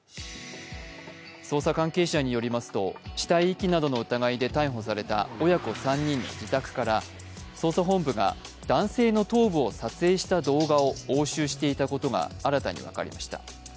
捜査関係者によりますと、死体遺棄などの疑いで逮捕された親子３人の自宅から、捜査本部が男性の頭部を撮影した動画を押収していたことが新たに分かりました。